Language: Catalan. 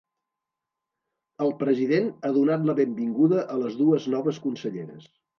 El president ha donat la benvinguda a les dues noves conselleres.